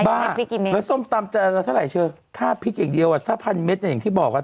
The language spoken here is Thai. บ้าแล้วส้มตำจะเท่าไหร่เชิงค่าพริกอย่างเดียวถ้าพันเมตรอย่างที่บอกว่า